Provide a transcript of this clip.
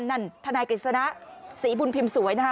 เช่นนั่นธนายกิจสุรณะสีบุญพิมศ์สวยนะฮะ